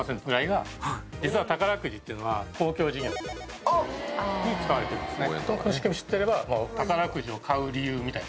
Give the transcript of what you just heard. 実は宝くじっていうのは公共事業に使われてるんですね。